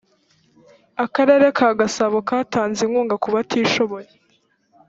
akarere ka gasabo katanze inkunga kubatishoboye